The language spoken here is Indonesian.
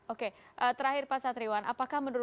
oke terakhir pak satriwan apakah menurut